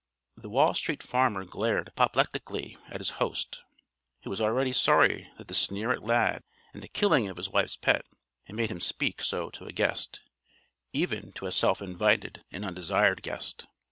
The Wall Street Farmer glared apoplectically at his host, who was already sorry that the sneer at Lad and the killing of his wife's pet had made him speak so to a guest even to a self invited and undesired guest.